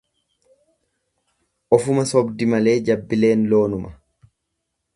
Ofuma sobdi malee jabbileen loonuma.